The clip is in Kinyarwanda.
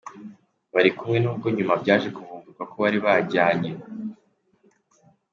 bari kumwe n’ubwo nyuma byaje kuvumburwa ko bari bajyanye.